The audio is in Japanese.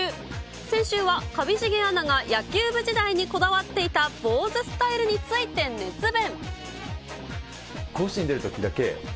先週は、上重アナが野球部時代にこだわっていた坊主スタイルについて熱弁。